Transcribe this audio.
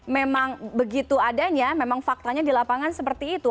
memang begitu adanya memang faktanya di lapangan seperti itu